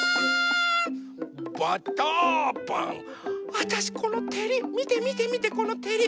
わたしこのてりみてみてみてこのてり。